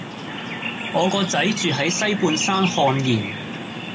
我個仔住喺西半山瀚然